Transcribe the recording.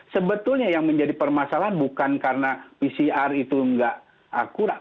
sebetulnya yang menjadi permasalahan bukan karena pcr itu nggak akurat